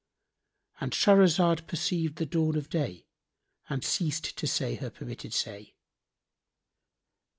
"——And Shahrazad perceived the dawn of day and ceased to say her permitted say.